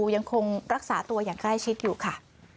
ยังคงรักษาตัวอย่างใกล้ชิดอยู่ค่ะ